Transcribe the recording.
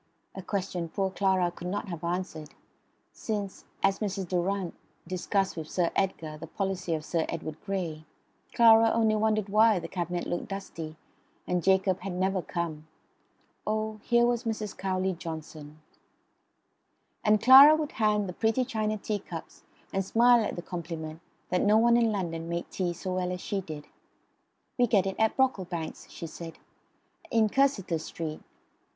a question poor Clara could not have answered, since, as Mrs. Durrant discussed with Sir Edgar the policy of Sir Edward Grey, Clara only wondered why the cabinet looked dusty, and Jacob had never come. Oh, here was Mrs. Cowley Johnson... And Clara would hand the pretty china teacups, and smile at the compliment that no one in London made tea so well as she did. "We get it at Brocklebank's," she said, "in Cursitor Street."